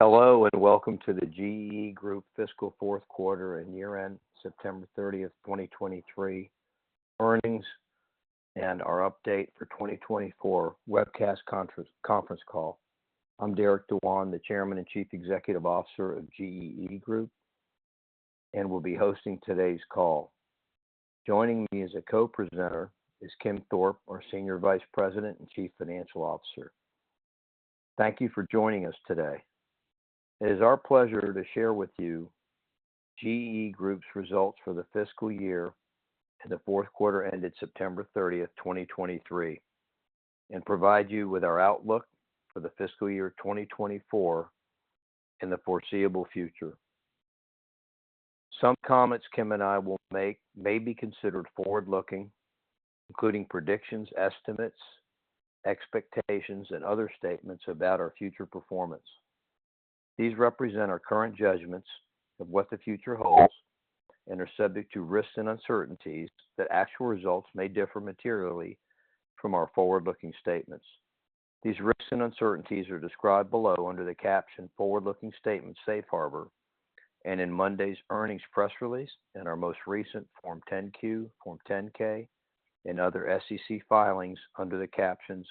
Hello, and welcome to the GEE Group fiscal fourth quarter and year-end September 30, 2023 earnings, and our update for 2024 webcast conference call. I'm Derek Dewan, the Chairman and Chief Executive Officer of GEE Group, and will be hosting today's call. Joining me as a co-presenter is Kim Thorpe, our Senior Vice President and Chief Financial Officer. Thank you for joining us today. It is our pleasure to share with you GEE Group's results for the fiscal year and the fourth quarter ended September 30, 2023, and provide you with our outlook for the fiscal year 2024 and the foreseeable future. Some comments Kim and I will make may be considered forward-looking, including predictions, estimates, expectations, and other statements about our future performance. These represent our current judgments of what the future holds and are subject to risks and uncertainties, that actual results may differ materially from our forward-looking statements. These risks and uncertainties are described below under the caption Forward-Looking Statements Safe Harbor, and in Monday's earnings press release, and our most recent Form 10-Q, Form 10-K, and other SEC filings under the captions: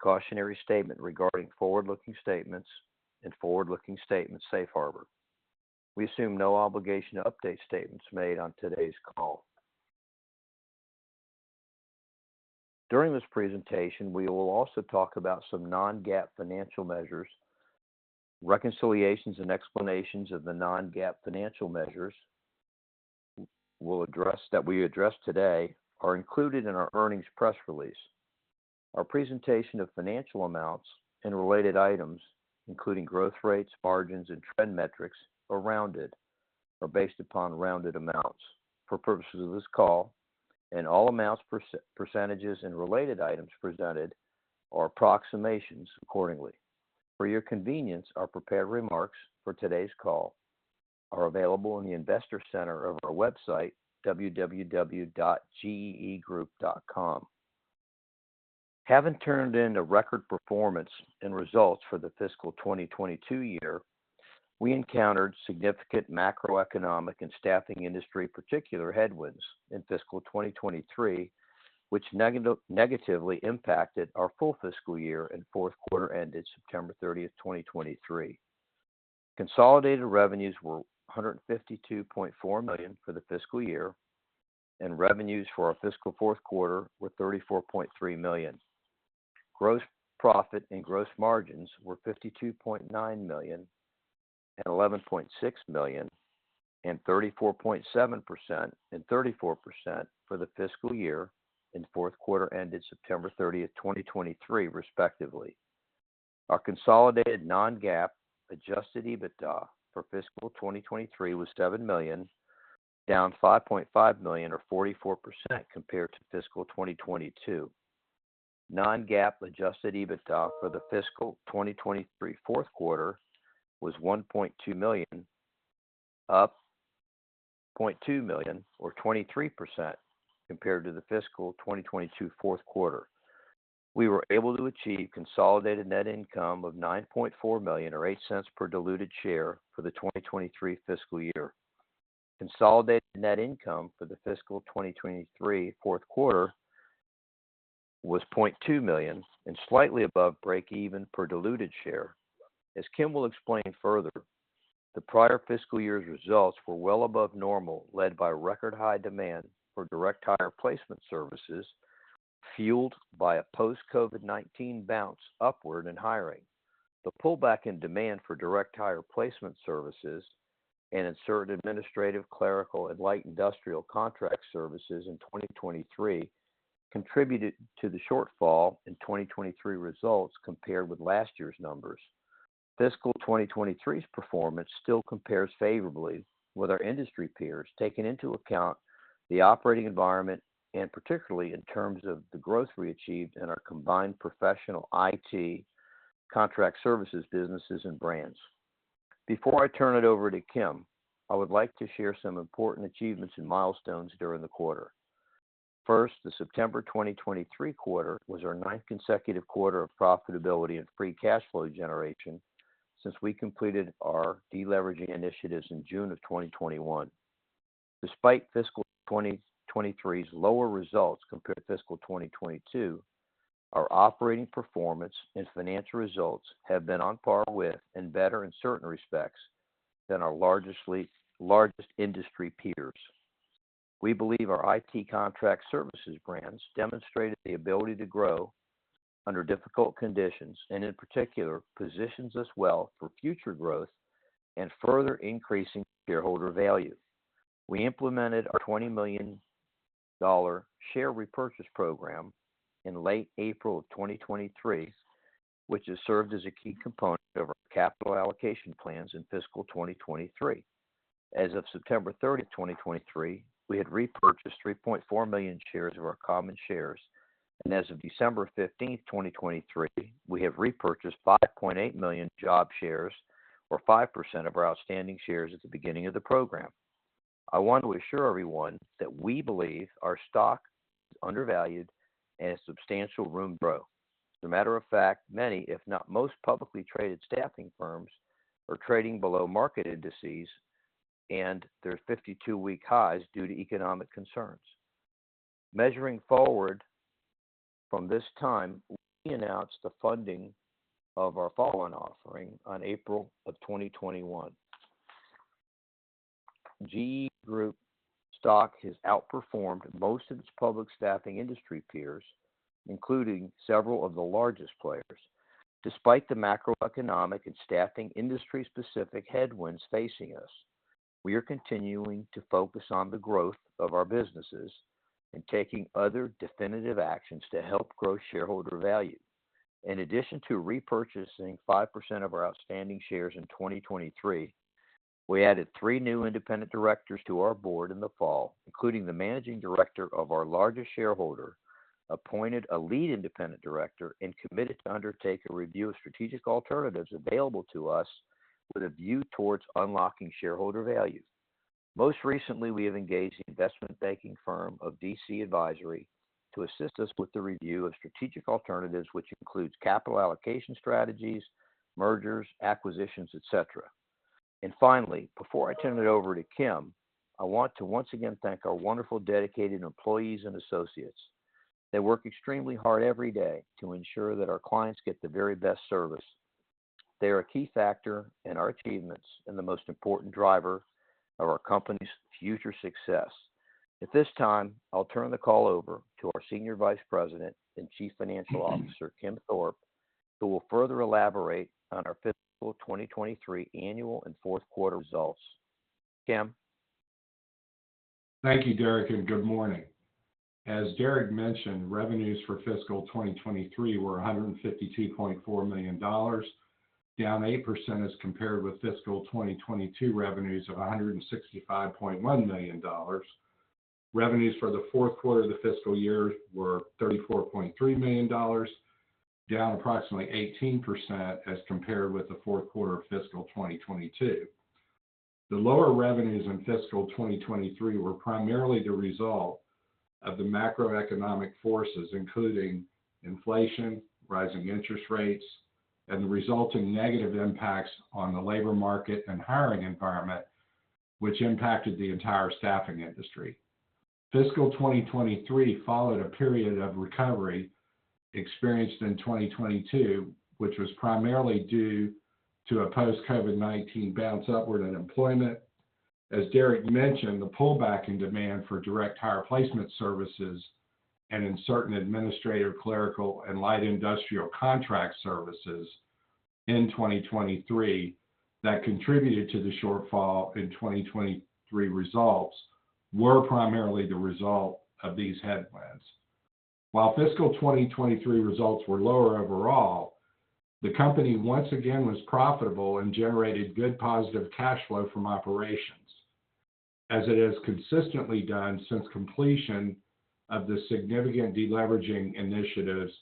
Cautionary Statement regarding forward-looking statements and forward-looking statements Safe Harbor. We assume no obligation to update statements made on today's call. During this presentation, we will also talk about some non-GAAP financial measures. Reconciliations and explanations of the non-GAAP financial measures we'll address, that we address today, are included in our earnings press release. Our presentation of financial amounts and related items, including growth rates, margins, and trend metrics, are rounded or based upon rounded amounts for purposes of this call, and all amounts, percentages, and related items presented are approximations accordingly. For your convenience, our prepared remarks for today's call are available in the Investor Center of our website, www.geegroup.com. Having turned in a record performance and results for the fiscal 2022 year, we encountered significant macroeconomic and staffing industry particular headwinds in fiscal 2023, which negatively impacted our full fiscal year and fourth quarter ended September 30th, 2023. Consolidated revenues were $152.4 million for the fiscal year, and revenues for our fiscal fourth quarter were $34.3 million. Gross profit and gross margins were $52.9 million and $11.6 million, and 34.7% and 34% for the fiscal year and fourth quarter ended September 30, 2023, respectively. Our consolidated non-GAAP adjusted EBITDA for fiscal 2023 was $7 million, down $5.5 million, or 44% compared to fiscal 2022. Non-GAAP adjusted EBITDA for the fiscal 2023 fourth quarter was $1.2 million, up $0.2 million or 23% compared to the fiscal 2022 fourth quarter. We were able to achieve consolidated net income of $9.4 million, or $0.08 per diluted share for the 2023 fiscal year. Consolidated net income for the fiscal 2023 fourth quarter was $0.2 million and slightly above breakeven per diluted share. As Kim will explain further, the prior fiscal year's results were well above normal, led by record-high demand for direct hire placement services, fueled by a post-COVID-19 bounce upward in hiring. The pullback in demand for direct hire placement services and in certain administrative, clerical, and light industrial contract services in 2023 contributed to the shortfall in 2023 results compared with last year's numbers. Fiscal 2023's performance still compares favorably with our industry peers, taking into account the operating environment, and particularly in terms of the growth we achieved in our combined professional IT contract services, businesses, and brands. Before I turn it over to Kim, I would like to share some important achievements and milestones during the quarter. First, the September 2023 quarter was our ninth consecutive quarter of profitability and Free Cash Flow generation since we completed our deleveraging initiatives in June of 2021. Despite fiscal 2023's lower results compared to fiscal 2022, our operating performance and financial results have been on par with and better in certain respects than our largest industry peers. We believe our IT contract services brands demonstrated the ability to grow under difficult conditions and in particular, positions us well for future growth and further increasing shareholder value. We implemented our $20 million share repurchase program in late April of 2023, which has served as a key component of our capital allocation plans in fiscal 2023. As of September 30, 2023, we had repurchased 3.4 million shares of our common shares, and as of December 15, 2023, we have repurchased 5.8 million of shares or 5% of our outstanding shares at the beginning of the program. I want to assure everyone that we believe our stock is undervalued and has substantial room to grow. As a matter of fact, many, if not most, publicly traded staffing firms are trading below market indices, and their 52-week highs due to economic concerns. Measuring forward from this time, we announced the follow-on offering on April of 2021. GEE Group stock has outperformed most of its public staffing industry peers, including several of the largest players. Despite the macroeconomic and staffing industry-specific headwinds facing us, we are continuing to focus on the growth of our businesses and taking other definitive actions to help grow shareholder value. In addition to repurchasing 5% of our outstanding shares in 2023, we added three new independent directors to our board in the fall, including the managing director of our largest shareholder, appointed a lead independent director, and committed to undertake a review of strategic alternatives available to us with a view towards unlocking shareholder value. Most recently, we have engaged the investment banking firm of DC Advisory to assist us with the review of strategic alternatives, which includes capital allocation strategies, mergers, acquisitions, et cetera. And finally, before I turn it over to Kim, I want to once again thank our wonderful, dedicated employees and associates. They work extremely hard every day to ensure that our clients get the very best service. They are a key factor in our achievements and the most important driver of our company's future success. At this time, I'll turn the call over to our Senior Vice President and Chief Financial Officer, Kim Thorpe, who will further elaborate on our fiscal 2023 annual and fourth quarter results. Kim? Thank you, Derek, and good morning. As Derek mentioned, revenues for fiscal 2023 were $152.4 million, down 8% as compared with fiscal 2022 revenues of $165.1 million. Revenues for the fourth quarter of the fiscal year were $34.3 million, down approximately 18% as compared with the fourth quarter of fiscal 2022. The lower revenues in fiscal 2023 were primarily the result of the macroeconomic forces, including inflation, rising interest rates, and the resulting negative impacts on the labor market and hiring environment, which impacted the entire staffing industry. Fiscal 2023 followed a period of recovery experienced in 2022, which was primarily due to a post-COVID-19 bounce upward in employment. As Derek mentioned, the pullback in demand for direct hire placement services and in certain administrative, clerical, and light industrial contract services in 2023 that contributed to the shortfall in 2023 results, were primarily the result of these headwinds. While fiscal 2023 results were lower overall, the company once again was profitable and generated good positive cash flow from operations, as it has consistently done since completion of the significant deleveraging initiatives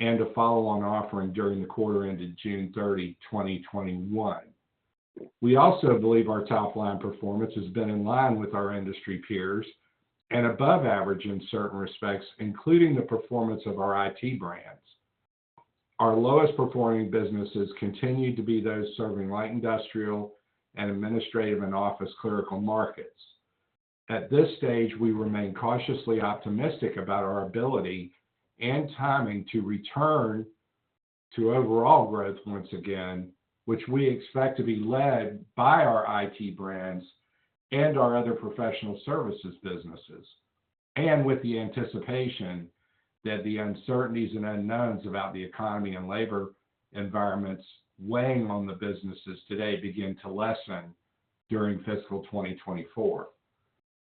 and a follow-on offering during the quarter ended June 30, 2021. We also believe our top-line performance has been in line with our industry peers and above average in certain respects, including the performance of our IT brands. Our lowest performing businesses continued to be those serving light industrial and administrative and office clerical markets. At this stage, we remain cautiously optimistic about our ability and timing to return to overall growth once again, which we expect to be led by our IT brands and our other professional services businesses, and with the anticipation that the uncertainties and unknowns about the economy and labor environments weighing on the businesses today begin to lessen during fiscal 2024.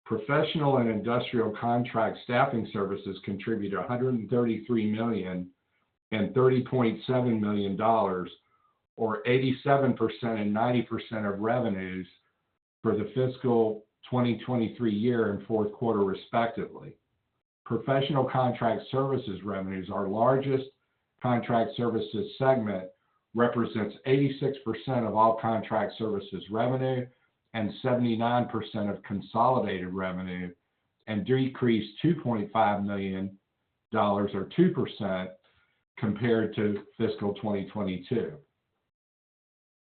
Professional and industrial contract staffing services contribute $133 million and $30.7 million, or 87% and 90% of revenues for the fiscal 2023 year and fourth quarter, respectively. Professional contract services revenues, our largest contract services segment, represents 86% of all contract services revenue and 79% of consolidated revenue, and decreased $2.5 million or 2% compared to fiscal 2022.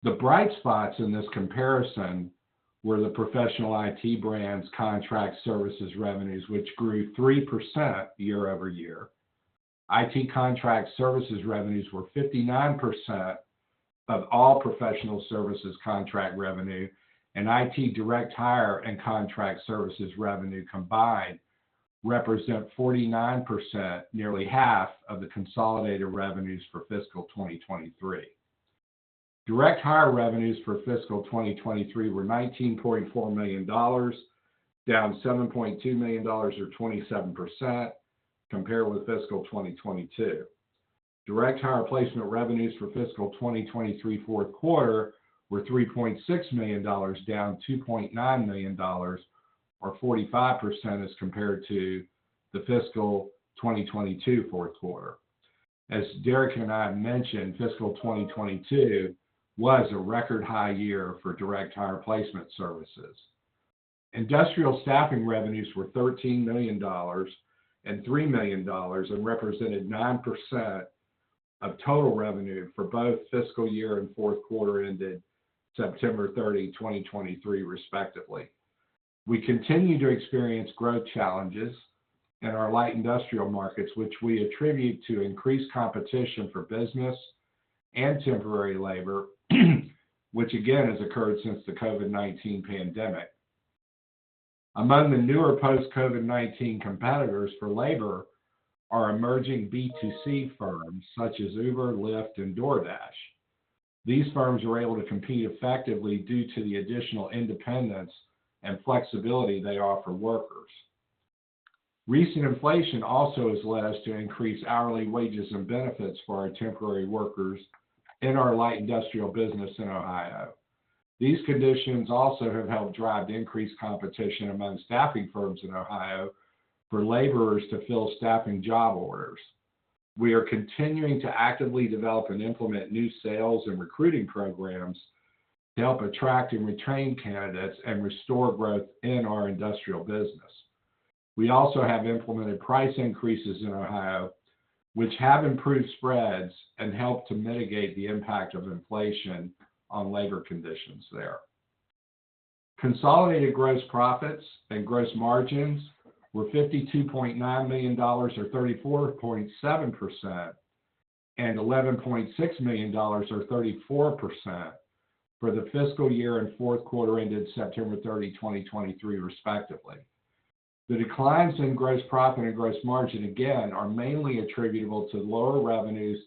The bright spots in this comparison were the professional IT brands contract services revenues, which grew 3% year-over-year. IT contract services revenues were 59% of all professional services contract revenue, and IT direct hire and contract services revenue combined represent 49%, nearly half of the consolidated revenues for fiscal 2023. Direct hire revenues for fiscal 2023 were $19.4 million, down $7.2 million, or 27%, compared with fiscal 2022. Direct hire placement revenues for fiscal 2023 fourth quarter were $3.6 million, down $2.9 million, or 45% as compared to the fiscal 2022 fourth quarter. As Derek and I have mentioned, fiscal 2022 was a record high year for direct hire placement services. Industrial staffing revenues were $13 million and $3 million, and represented 9% of total revenue for both fiscal year and fourth quarter ended September 30, 2023, respectively. We continue to experience growth challenges in our light industrial markets, which we attribute to increased competition for business and temporary labor, which again has occurred since the COVID-19 pandemic. Among the newer post-COVID-19 competitors for labor are emerging B2C firms such as Uber, Lyft, and DoorDash. These firms are able to compete effectively due to the additional independence and flexibility they offer workers. Recent inflation also has led us to increase hourly wages and benefits for our temporary workers in our light industrial business in Ohio. These conditions also have helped drive increased competition among staffing firms in Ohio for laborers to fill staffing job orders. We are continuing to actively develop and implement new sales and recruiting programs to help attract and retain candidates and restore growth in our industrial business. We also have implemented price increases in Ohio, which have improved spreads and helped to mitigate the impact of inflation on labor conditions there. Consolidated gross profits and gross margins were $52.9 million, or 34.7%, and $11.6 million or 34% for the fiscal year and fourth quarter ended September 30, 2023, respectively. The declines in gross profit and gross margin, again, are mainly attributable to lower revenues,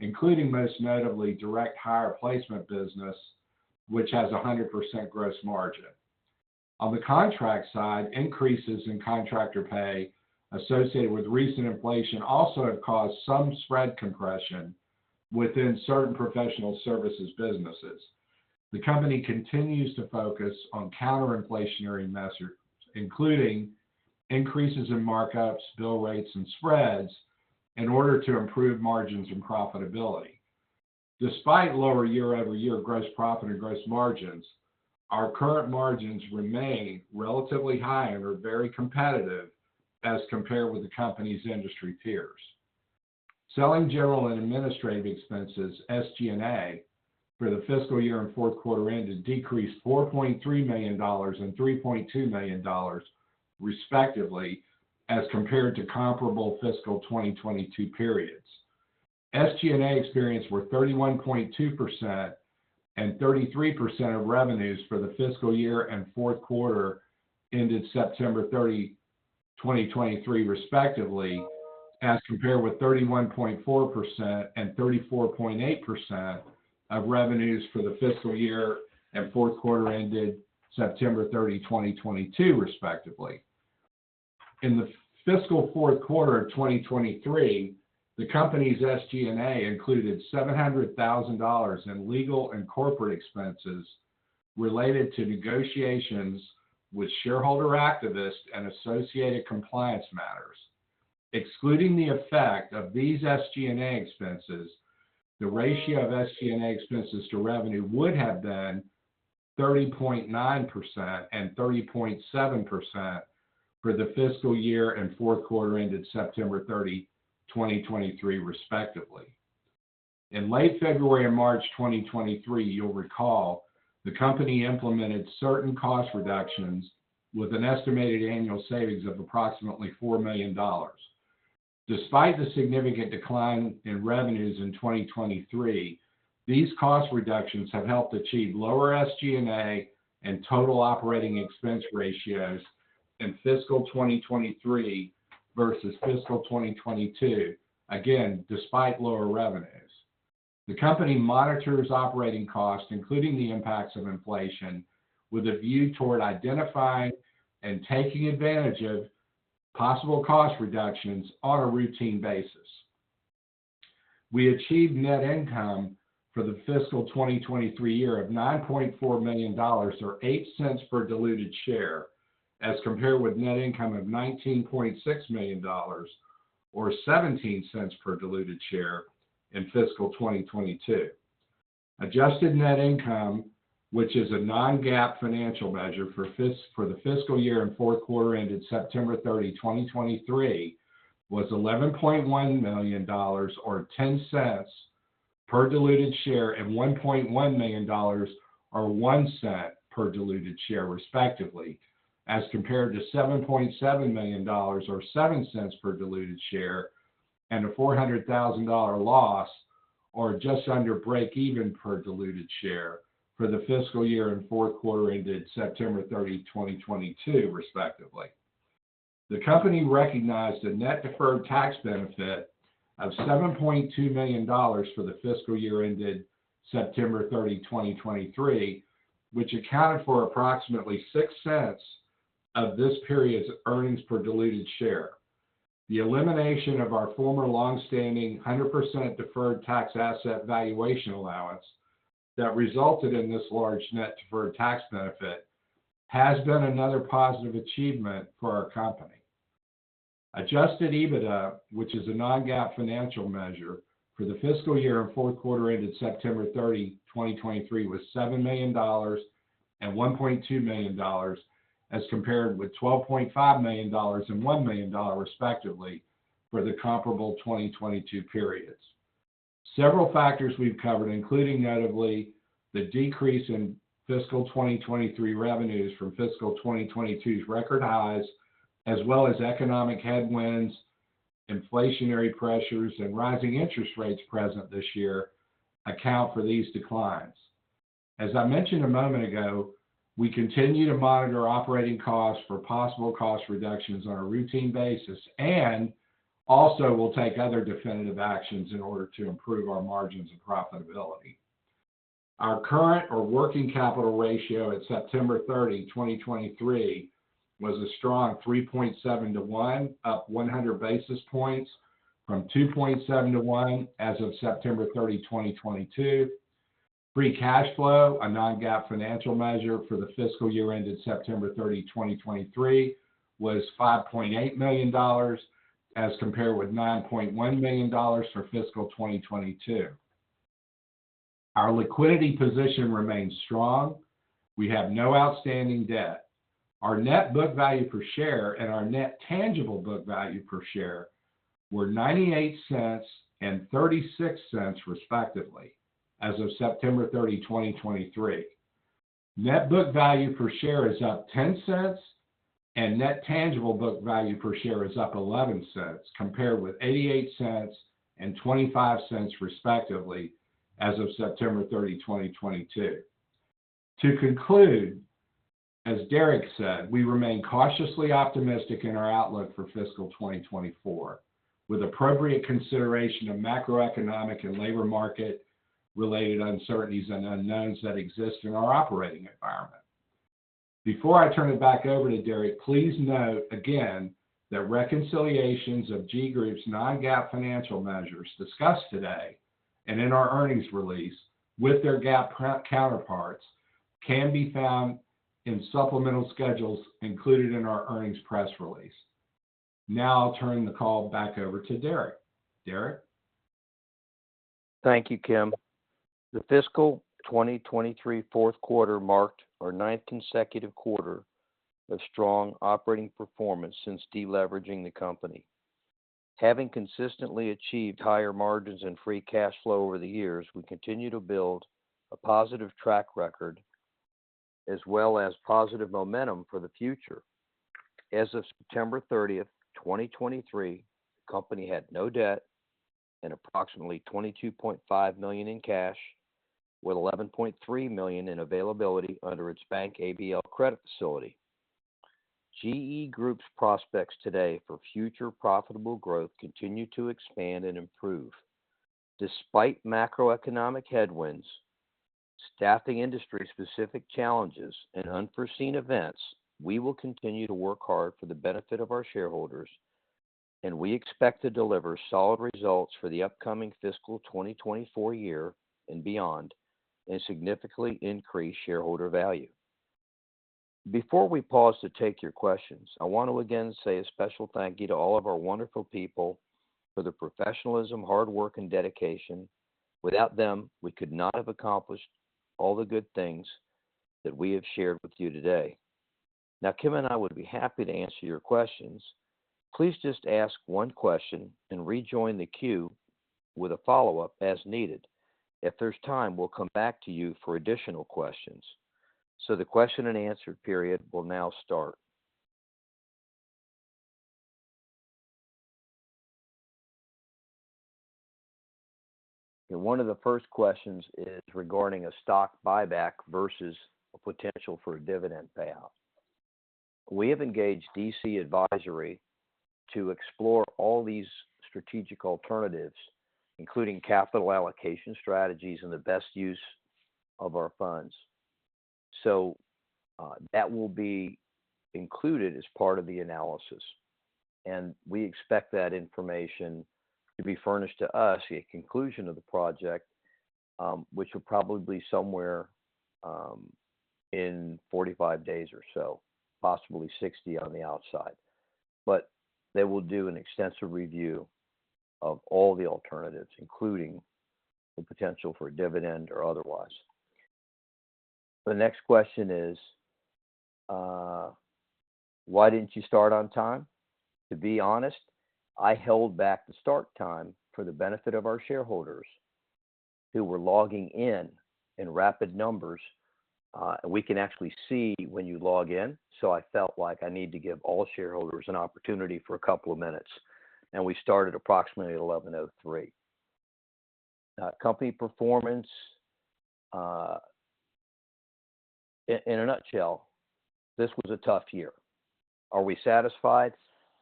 including most notably, direct hire placement business, which has a 100% gross margin. On the contract side, increases in contractor pay associated with recent inflation also have caused some spread compression within certain professional services businesses. The company continues to focus on counter-inflationary measures, including increases in markups, bill rates, and spreads in order to improve margins and profitability. Despite lower year-over-year gross profit and gross margins, our current margins remain relatively high and are very competitive as compared with the company's industry peers. Selling, general, and administrative expenses, SG&A, for the fiscal year and fourth quarter ended, decreased $4.3 million and $3.2 million, respectively, as compared to comparable fiscal 2022 periods. SG&A expenses were 31.2% and 33% of revenues for the fiscal year and fourth quarter ended September 30, 2023, respectively, as compared with 31.4% and 34.8% of revenues for the fiscal year and fourth quarter ended September 30, 2022, respectively. In the fiscal fourth quarter of 2023, the company's SG&A included $700,000 in legal and corporate expenses related to negotiations with shareholder activists and associated compliance matters. Excluding the effect of these SG&A expenses, the ratio of SG&A expenses to revenue would have been 30.9% and 30.7% for the fiscal year and fourth quarter ended September 30, 2023, respectively. In late February and March 2023, you'll recall, the company implemented certain cost reductions with an estimated annual savings of approximately $4 million. Despite the significant decline in revenues in 2023, these cost reductions have helped achieve lower SG&A and total operating expense ratios in fiscal 2023 versus fiscal 2022. Again, despite lower revenues. The company monitors operating costs, including the impacts of inflation, with a view toward identifying and taking advantage of possible cost reductions on a routine basis. We achieved net income for the fiscal 2023 year of $9.4 million or $0.08 per diluted share, as compared with net income of $19.6 million, or $0.17 per diluted share in fiscal 2022. Adjusted net income, which is a non-GAAP financial measure for the fiscal year and fourth quarter ended September 30, 2023, was $11.1 million, or $0.10 per diluted share, and $1.1 million, or $0.01 per diluted share, respectively, as compared to $7.7 million, or $0.07 per diluted share, and a $400,000 loss, or just under breakeven per diluted share for the fiscal year and fourth quarter ended September 30, 2022, respectively. The company recognized a net deferred tax benefit of $7.2 million for the fiscal year ended September 30, 2023, which accounted for approximately $0.06 of this period's earnings per diluted share. The elimination of our former long-standing 100% Deferred Tax Asset Valuation Allowance that resulted in this large net deferred tax benefit... has been another positive achievement for our company. Adjusted EBITDA, which is a non-GAAP financial measure for the fiscal year and fourth quarter ended September 30, 2023, was $7 million and $1.2 million, as compared with $12.5 million and $1 million, respectively, for the comparable 2022 periods. Several factors we've covered, including notably, the decrease in fiscal 2023 revenues from fiscal 2022's record highs, as well as economic headwinds, inflationary pressures, and rising interest rates present this year, account for these declines. As I mentioned a moment ago, we continue to monitor operating costs for possible cost reductions on a routine basis, and also will take other definitive actions in order to improve our margins and profitability. Our current or working capital ratio at September 30, 2023, was a strong 3.7 to 1, up 100 basis points from 2.7 to 1 as of September 30, 2022. Free cash flow, a non-GAAP financial measure for the fiscal year ended September 30, 2023, was $5.8 million, as compared with $9.1 million for fiscal 2022. Our liquidity position remains strong. We have no outstanding debt. Our net book value per share and our net tangible book value per share were $0.98 and $0.36, respectively, as of September 30, 2023. Net book value per share is up $0.10, and net tangible book value per share is up $0.11, compared with $0.88 and $0.25, respectively, as of September 30, 2022. To conclude, as Derek said, we remain cautiously optimistic in our outlook for fiscal 2024, with appropriate consideration of macroeconomic and labor market-related uncertainties and unknowns that exist in our operating environment. Before I turn it back over to Derek, please note again that reconciliations of GEE Group's non-GAAP financial measures discussed today and in our earnings release with their GAAP counterparts can be found in supplemental schedules included in our earnings press release. Now I'll turn the call back over to Derek. Derek? Thank you, Kim. The fiscal 2023 fourth quarter marked our ninth consecutive quarter of strong operating performance since deleveraging the company. Having consistently achieved higher margins and free cash flow over the years, we continue to build a positive track record, as well as positive momentum for the future. As of September 30, 2023, the company had no debt and approximately $22.5 million in cash, with $11.3 million in availability under its bank ABL credit facility. GEE Group's prospects today for future profitable growth continue to expand and improve. Despite macroeconomic headwinds, staffing industry-specific challenges, and unforeseen events, we will continue to work hard for the benefit of our shareholders, and we expect to deliver solid results for the upcoming fiscal 2024 year and beyond, and significantly increase shareholder value. Before we pause to take your questions, I want to again say a special thank you to all of our wonderful people for their professionalism, hard work, and dedication. Without them, we could not have accomplished all the good things that we have shared with you today. Now, Kim and I would be happy to answer your questions. Please just ask one question and rejoin the queue with a follow-up as needed. If there's time, we'll come back to you for additional questions. So the question-and-answer period will now start. One of the first questions is regarding a stock buyback versus a potential for a dividend payout. We have engaged DC Advisory to explore all these strategic alternatives, including capital allocation strategies and the best use of our funds. So, that will be included as part of the analysis, and we expect that information to be furnished to us at conclusion of the project, which will probably be somewhere in 45 days or so, possibly 60 on the outside. But they will do an extensive review of all the alternatives, including the potential for a dividend or otherwise. The next question is, why didn't you start on time? To be honest, I held back the start time for the benefit of our shareholders who were logging in in rapid numbers. And we can actually see when you log in, so I felt like I need to give all shareholders an opportunity for a couple of minutes, and we started approximately at 11:03 A.M. Company performance, in a nutshell, this was a tough year. Are we satisfied?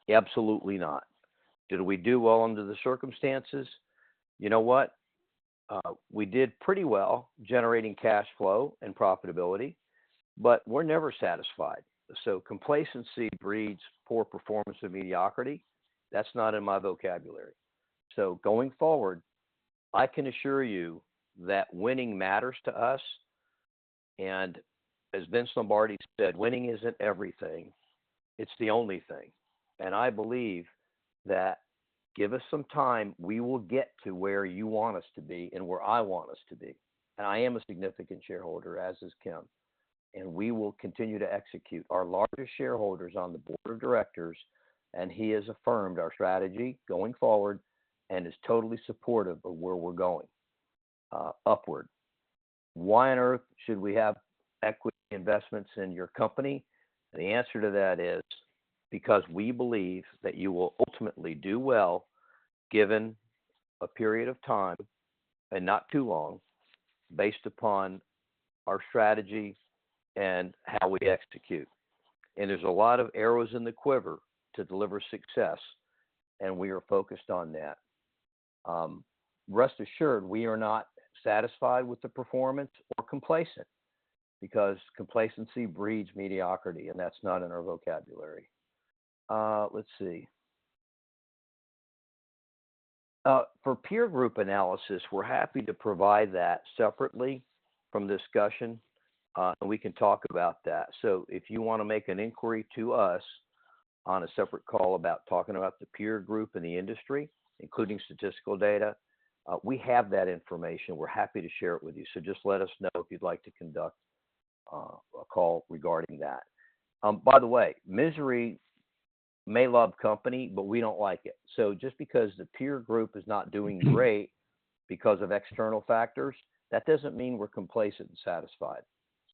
Absolutely not. Did we do well under the circumstances? You know what? We did pretty well generating cash flow and profitability, but we're never satisfied. So complacency breeds poor performance and mediocrity. That's not in my vocabulary. So going forward, I can assure you that winning matters to us, and as Vince Lombardi said, "Winning isn't everything, it's the only thing." And I believe that give us some time, we will get to where you want us to be and where I want us to be. And I am a significant shareholder, as is Kim, and we will continue to execute. Our largest shareholder is on the board of directors, and he has affirmed our strategy going forward and is totally supportive of where we're going, upward. Why on earth should we have equity investments in your company? The answer to that is because we believe that you will ultimately do well, given a period of time, and not too long, based upon our strategy and how we execute. There's a lot of arrows in the quiver to deliver success, and we are focused on that. Rest assured, we are not satisfied with the performance or complacent, because complacency breeds mediocrity, and that's not in our vocabulary. For peer group analysis, we're happy to provide that separately from discussion, and we can talk about that. So if you wanna make an inquiry to us on a separate call about talking about the peer group in the industry, including statistical data, we have that information. We're happy to share it with you. So just let us know if you'd like to conduct a call regarding that. By the way, misery may love company, but we don't like it. So just because the peer group is not doing great because of external factors, that doesn't mean we're complacent and satisfied.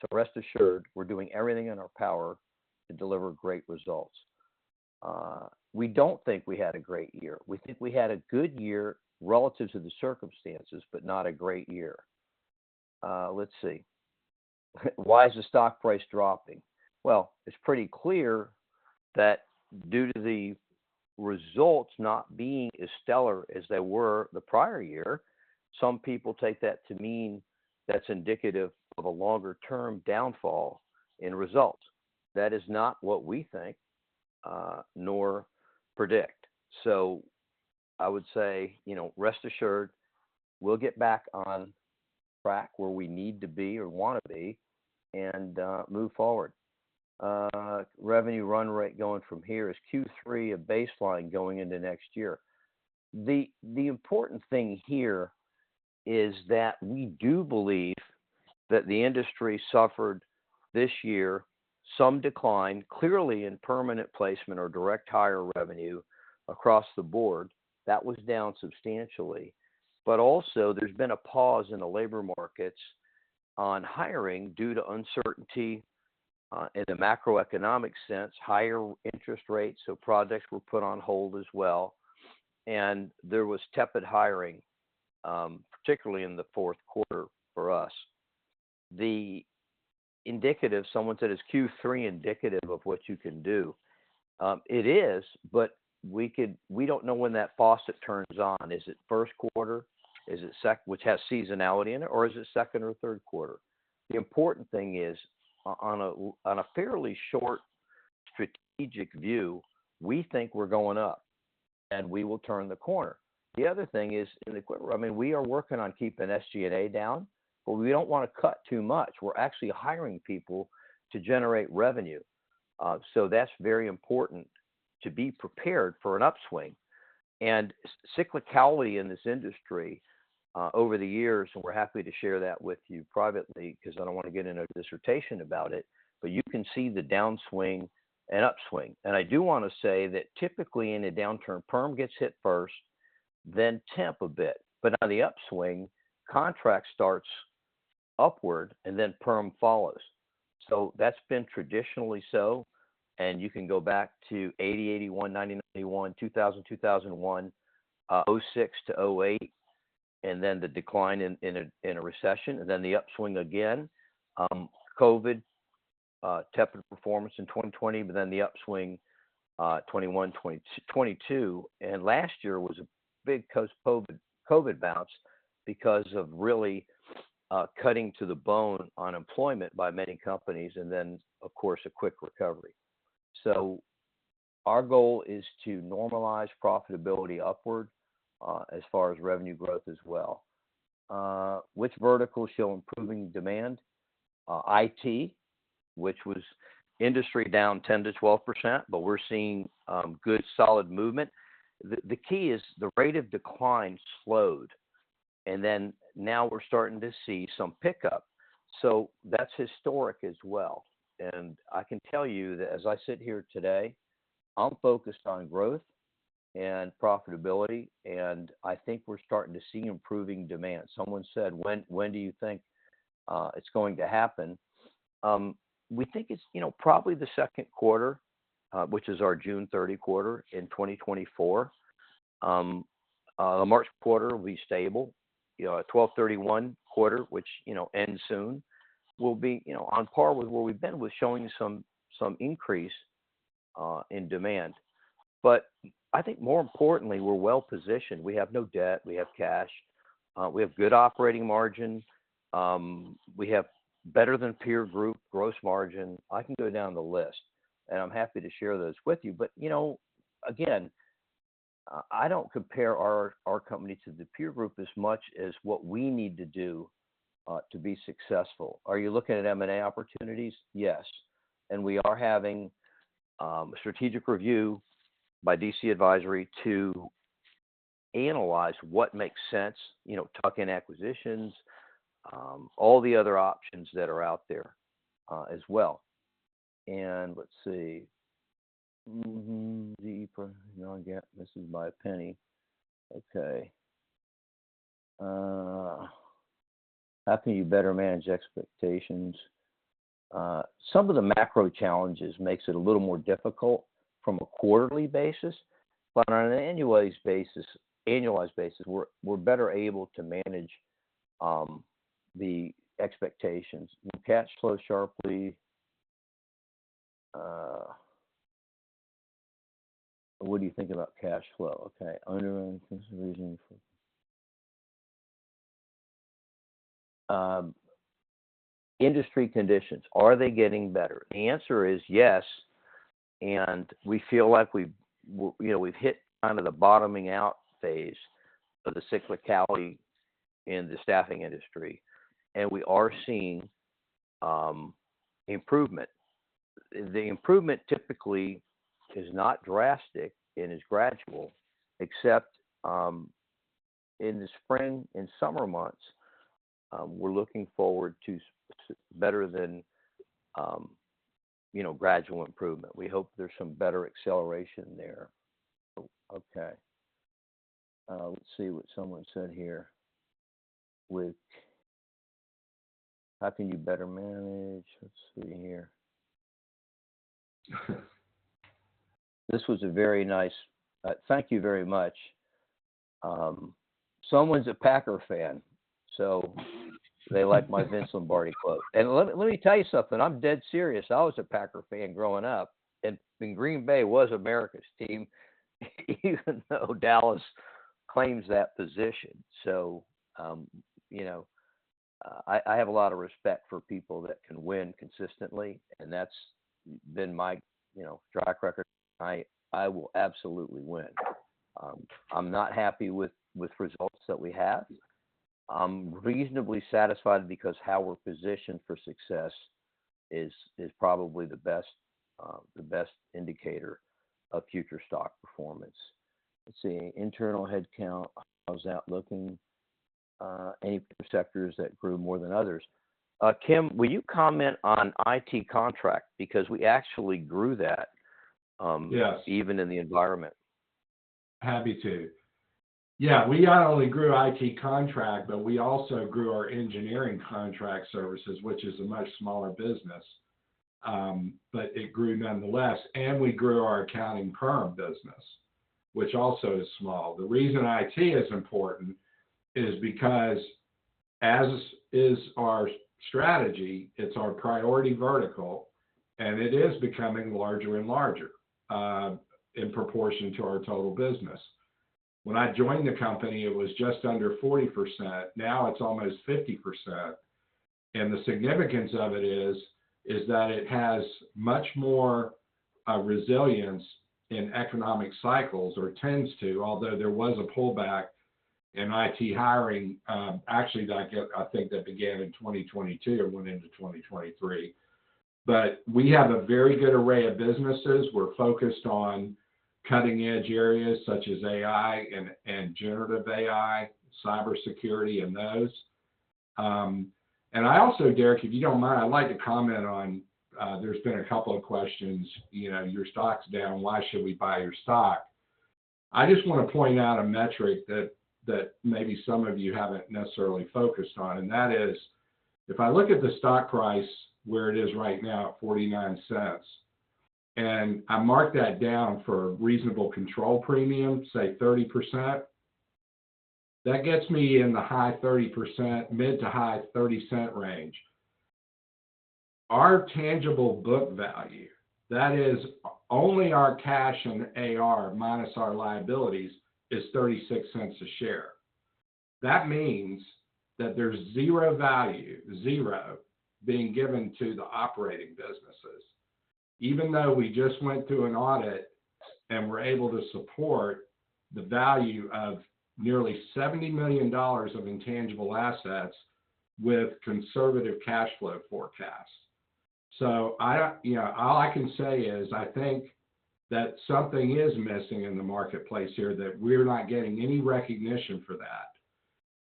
So rest assured, we're doing everything in our power to deliver great results. We don't think we had a great year. We think we had a good year relative to the circumstances, but not a great year. Let's see. Why is the stock price dropping? Well, it's pretty clear that due to the results not being as stellar as they were the prior year, some people take that to mean that's indicative of a longer-term downfall in results. That is not what we think, nor predict. So I would say, you know, rest assured, we'll get back on track where we need to be or wanna be and, move forward. Revenue run rate going from here is Q3, a baseline going into next year. The important thing here is that we do believe that the industry suffered this year some decline, clearly in permanent placement or direct hire revenue across the board. That was down substantially. But also, there's been a pause in the labor markets on hiring due to uncertainty in a macroeconomic sense, higher interest rates, so projects were put on hold as well. And there was tepid hiring, particularly in the fourth quarter for us. The indicative, someone said, "Is Q3 indicative of what you can do?" It is, but we don't know when that faucet turns on. Is it first quarter? Is it sec... which has seasonality in it, or is it second or third quarter? The important thing is, on a fairly short, strategic view, we think we're going up, and we will turn the corner. The other thing is in the quiver. I mean, we are working on keeping SG&A down, but we don't wanna cut too much. We're actually hiring people to generate revenue. So that's very important to be prepared for an upswing. And cyclicality in this industry, over the years, and we're happy to share that with you privately, 'cause I don't wanna get into a dissertation about it, but you can see the downswing and upswing. And I do wanna say that typically in a downturn, perm gets hit first, then temp a bit, but on the upswing, contract starts upward, and then perm follows. So that's been traditionally so, and you can go back to 1980, 1981, 1990-1991, 2000, 2001, 2006 to 2008, and then the decline in a recession, and then the upswing again. COVID, tepid performance in 2020, but then the upswing, 2021, 2022. And last year was a big COVID bounce because of really cutting to the bone on employment by many companies, and then, of course, a quick recovery. So our goal is to normalize profitability upward, as far as revenue growth as well. Which verticals show improving demand? IT, which was industry down 10%-12%, but we're seeing good, solid movement. The key is the rate of decline slowed, and then now we're starting to see some pickup, so that's historic as well. I can tell you that as I sit here today, I'm focused on growth and profitability, and I think we're starting to see improving demand. Someone said: "When do you think it's going to happen?" We think it's, you know, probably the second quarter, which is our June 30 quarter in 2024. The March quarter will be stable. You know, our 12/31 quarter, which, you know, ends soon, will be, you know, on par with where we've been with showing some increase in demand. But I think more importantly, we're well positioned. We have no debt. We have cash. We have good operating margins. We have better-than-peer group gross margin. I can go down the list... and I'm happy to share those with you. But, you know, again, I don't compare our, our company to the peer group as much as what we need to do, to be successful. Are you looking at M&A opportunities? Yes, and we are having, a strategic review by DC Advisory to analyze what makes sense, you know, tuck-in acquisitions, all the other options that are out there, as well. And let's see. Mm-mm, deeper, you know, again, missing by a penny. Okay. How can you better manage expectations? Some of the macro challenges makes it a little more difficult from a quarterly basis, but on an annualized basis, annualized basis, we're, we're better able to manage, the expectations. Will cash flow sharply... What do you think about cash flow? Okay, underlying reasons for... Industry conditions, are they getting better? The answer is yes, and we feel like we've you know, we've hit kind of the bottoming out phase of the cyclicality in the staffing industry, and we are seeing improvement. The improvement typically is not drastic and is gradual, except in the spring and summer months, we're looking forward to better than you know, gradual improvement. We hope there's some better acceleration there. Okay. Let's see what someone said here. With how can you better manage...? Let's see here. This was a very nice... Thank you very much. Someone's a Packers fan, so they like my Vince Lombardi quote. And let me, let me tell you something, I'm dead serious. I was a Packers fan growing up, and Green Bay was America's Team, even though Dallas claims that position. So, you know, I have a lot of respect for people that can win consistently, and that's been my, you know, track record. I will absolutely win. I'm not happy with results that we have. I'm reasonably satisfied because how we're positioned for success is probably the best, the best indicator of future stock performance. Let's see, internal headcount, how's that looking, any sectors that grew more than others? Kim, will you comment on IT contract? Because we actually grew that. Yes... even in the environment. Happy to. Yeah, we not only grew IT contract, but we also grew our engineering contract services, which is a much smaller business. But it grew nonetheless, and we grew our accounting perm business, which also is small. The reason IT is important is because as is our strategy, it's our priority vertical, and it is becoming larger and larger in proportion to our total business. When I joined the company, it was just under 40%, now it's almost 50%, and the significance of it is that it has much more resilience in economic cycles or tends to, although there was a pullback in IT hiring, actually, I think that began in 2022 and went into 2023. But we have a very good array of businesses. We're focused on cutting-edge areas such as AI and generative AI, cybersecurity, and those. And I also, Derek, if you don't mind, I'd like to comment on, there's been a couple of questions, you know, your stock's down, why should we buy your stock? I just want to point out a metric that maybe some of you haven't necessarily focused on, and that is, if I look at the stock price where it is right now, at $0.49, and I mark that down for reasonable control premium, say 30%, that gets me in the high 30%, mid- to high-30-cent range. Our tangible book value, that is only our cash and AR minus our liabilities, is $0.36 a share. That means that there's zero value, zero, being given to the operating businesses. Even though we just went through an audit and were able to support the value of nearly $70 million of intangible assets with conservative cash flow forecasts. So I, you know, all I can say is, I think that something is missing in the marketplace here, that we're not getting any recognition for that.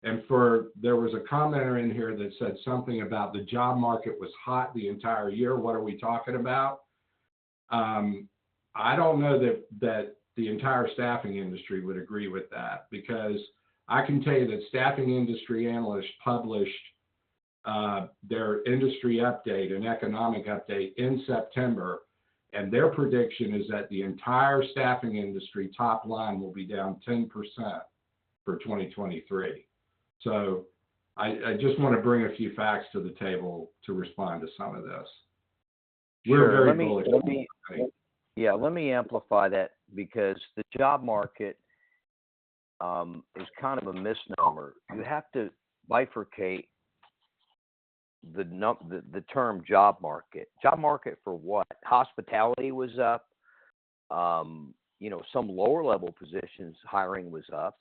And for... There was a commenter in here that said something about the job market was hot the entire year, what are we talking about? I don't know that the entire staffing industry would agree with that, because I can tell you that Staffing Industry Analysts published their industry update and economic update in September, and their prediction is that the entire staffing industry top line will be down 10% for 2023. So I just want to bring a few facts to the table to respond to some of this. We're very bullish- Yeah, let me amplify that, because the job market is kind of a misnomer. You have to bifurcate the term job market. Job market for what? Hospitality was up. You know, some lower-level positions, hiring was up.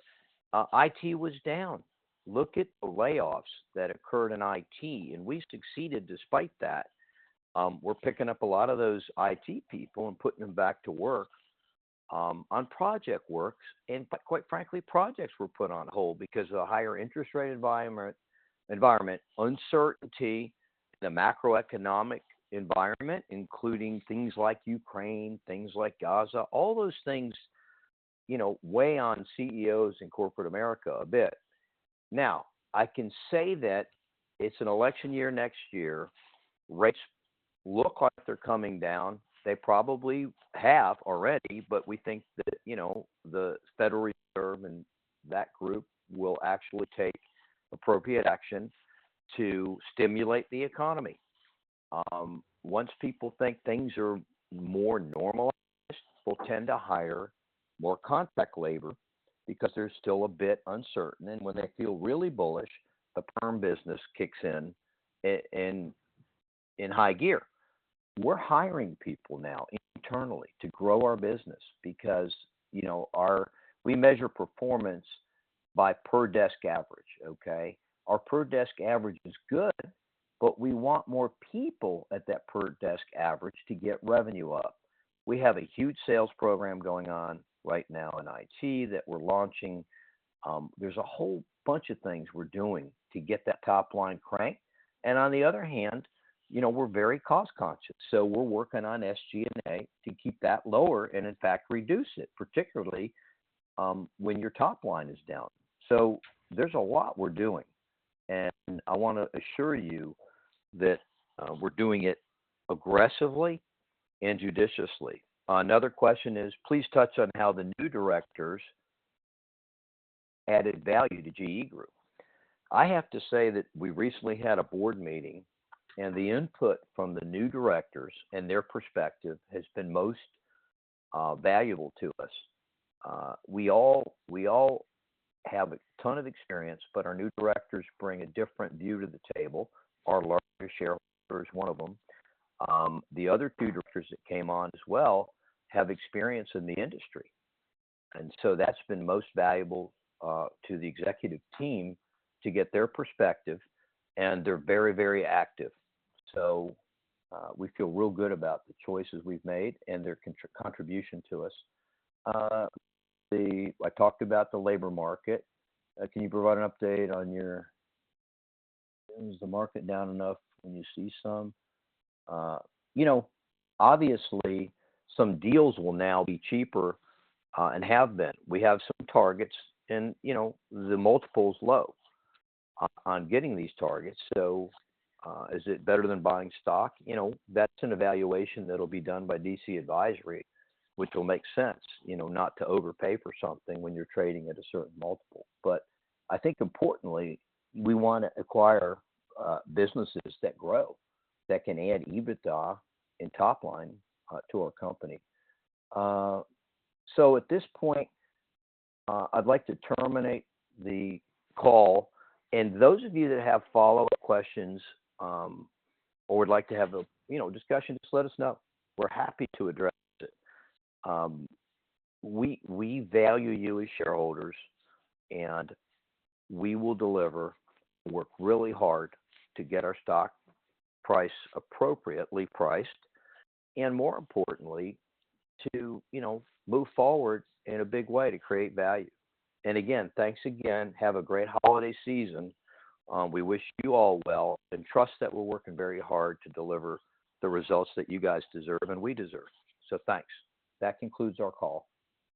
IT was down. Look at the layoffs that occurred in IT, and we succeeded despite that. We're picking up a lot of those IT people and putting them back to work on project works. And quite frankly, projects were put on hold because of the higher interest rate environment, uncertainty, the macroeconomic environment, including things like Ukraine, things like Gaza, all those things, you know, weigh on CEOs in corporate America a bit. Now, I can say that it's an election year next year. Rates look like they're coming down. They probably have already, but we think that, you know, the Federal Reserve and that group will actually take appropriate action to stimulate the economy. Once people think things are more normal, they will tend to hire more contract labor because they're still a bit uncertain. And when they feel really bullish, the perm business kicks in in high gear. We're hiring people now internally to grow our business because, you know, our. We measure performance by Per-Desk Average, okay? Our Per-Desk Average is good, but we want more people at that Per-Desk Average to get revenue up. We have a huge sales program going on right now in IT that we're launching. There's a whole bunch of things we're doing to get that top line cranked. On the other hand, you know, we're very cost-conscious, so we're working on SG&A to keep that lower and, in fact, reduce it, particularly when your top line is down. So there's a lot we're doing, and I want to assure you that we're doing it aggressively and judiciously. Another question is, "Please touch on how the new directors added value to GEE Group." I have to say that we recently had a board meeting, and the input from the new directors and their perspective has been most valuable to us. We all have a ton of experience, but our new directors bring a different view to the table. Our largest shareholder is one of them. The other two directors that came on as well have experience in the industry, and so that's been most valuable to the executive team to get their perspective, and they're very, very active. So, we feel real good about the choices we've made and their contribution to us. I talked about the labor market. "Can you provide an update on your... Is the market down enough, and you see some?" You know, obviously, some deals will now be cheaper, and have been. We have some targets and, you know, the multiple's low on getting these targets. So, is it better than buying stock? You know, that's a valuation that'll be done by DC Advisory, which will make sense, you know, not to overpay for something when you're trading at a certain multiple. But I think importantly, we want to acquire businesses that grow, that can add EBITDA and top line to our company. So at this point, I'd like to terminate the call, and those of you that have follow-up questions or would like to have a you know discussion, just let us know. We're happy to address it. We value you as shareholders, and we will deliver, work really hard to get our stock price appropriately priced, and more importantly, to you know move forward in a big way to create value. And again, thanks again. Have a great holiday season. We wish you all well, and trust that we're working very hard to deliver the results that you guys deserve and we deserve. So thanks. That concludes our call.